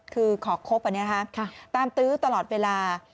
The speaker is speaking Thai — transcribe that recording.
คือขอกคบอันนี้นะคะตามตื้อตลอดเวลา